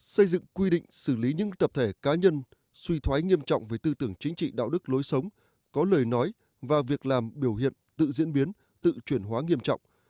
xây dựng quy định xử lý những tập thể cá nhân suy thoái nghiêm trọng về tư tưởng chính trị đạo đức lối sống có lời nói và việc làm biểu hiện tự diễn biến tự chuyển hóa nghiêm trọng